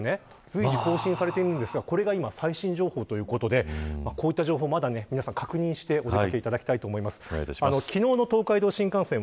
随時更新されていますがこれが最新情報ということでこういった情報をまだ皆さん確認していただければと思います。